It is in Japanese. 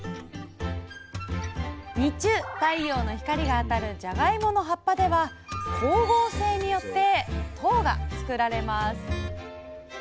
日中太陽の光が当たるじゃがいもの葉っぱでは光合成によって糖が作られます。